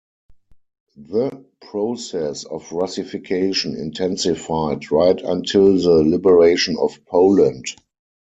The process of Russification intensified right until the liberation of Poland.